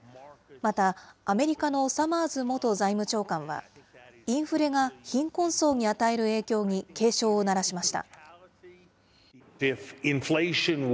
またアメリカのサマーズ元財務長官は、インフレが貧困層に与える影響に警鐘を鳴らしました。